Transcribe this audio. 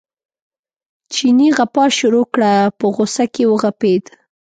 چیني غپا شروع کړه په غوسه کې وغپېد.